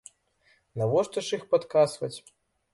Навошта ж іх падкасваць?